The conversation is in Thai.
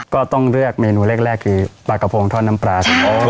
ก็ต้องเลือกเมนูแรกคือปลากระโพงทอดน้ำปลา